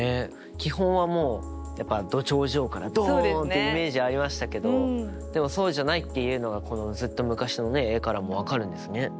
基本はやっぱど頂上からドンっていうイメージありましたけどでもそうじゃないっていうのがこのずっと昔の絵からも分かるんですね。